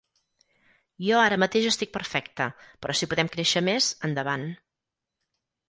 Jo ara mateix estic perfecte, però si podem créixer més, endavant.